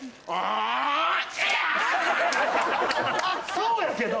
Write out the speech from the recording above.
そうやけど。